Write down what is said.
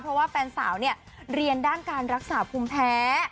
เพราะว่าแฟนสาวเนี่ยเรียนด้านการรักษาภูมิแพ้